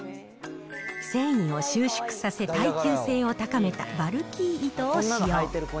繊維を収縮させ、耐久性を高めたバルキー糸を使用。